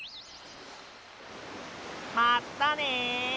まったね！